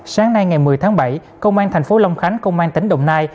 sáng nay ngày một mươi tháng bảy công an tp long khánh công an tỉnh đồng nai